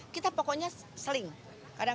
kita pokoknya seling